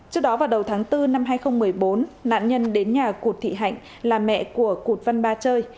trước đó vào đầu tháng bốn năm hai nghìn một mươi bốn nạn nhân đến nhà cụt thị hạnh là mẹ của cụt văn ba chơi